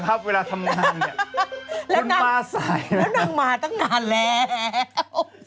ครับเวลาทำงานเนี้ยแล้วนั่งแล้วนั่งมาตั้งนานแล้ว